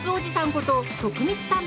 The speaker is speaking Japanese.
こと徳光さん